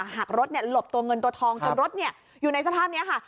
หักรถหลบตัวเงินตัวทองจนรถอยู่ในสภาพนี้ค่ะ